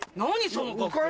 その格好。